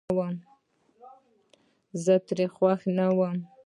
زه ترې خوښ نه ووم